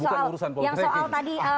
bukan urusan poltrekking